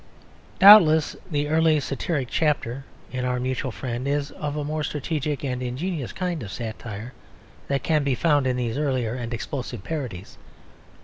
Doubtless the early satiric chapter in Our Mutual Friend is of a more strategic and ingenious kind of satire than can be found in these early and explosive parodies.